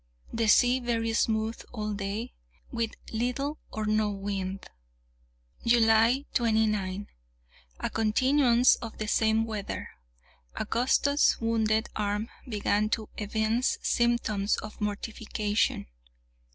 The sea very smooth all day, with little or no wind. July 29. A continuance of the same weather. Augustus's wounded arm began to evince symptoms of mortification.